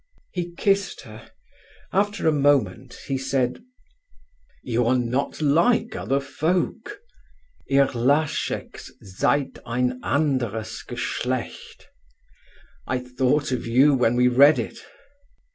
He kissed her. After a moment he said: "You are not like other folk. 'Ihr Lascheks seid ein anderes Geschlecht.' I thought of you when we read it."